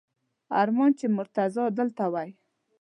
ارمان چې مرتضی دلته وای!